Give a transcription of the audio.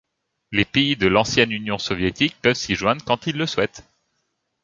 Les pays de l'ancienne Union soviétique peuvent s'y joindre quand ils le souhaitent.